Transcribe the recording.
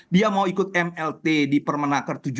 dia mau ikut mlt di permenaker tujuh puluh